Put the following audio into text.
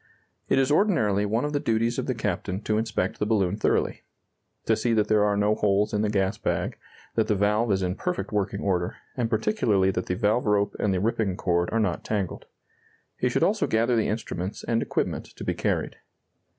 It is ordinarily one of the duties of the captain to inspect the balloon thoroughly; to see that there are no holes in the gas bag, that the valve is in perfect working order, and particularly that the valve rope and the ripping cord are not tangled. He should also gather the instruments and equipment to be carried.